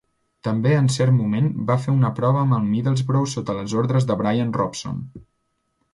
També en cert moment va fer una prova amb el Middlesbrough sota les ordres de Bryan Robson.